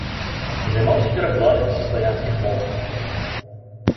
Займаўся перакладамі са славянскіх моў.